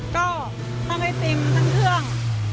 ก็ทั้งไอศครีมทั้งเครื่อง